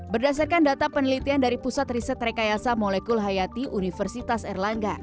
berdasarkan data penelitian dari pusat riset rekayasa molekul hayati universitas erlangga